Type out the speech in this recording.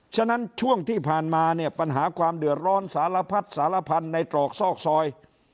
ฉะนั้นช่วงที่ผ่านมาเนี่ยปัญหาความเดือดร้อนสารพัดสารพันธุ์ในตรอกซอกซอย